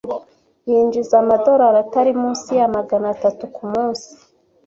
Yinjiza amadorari atari munsi ya magana atatu kumunsi.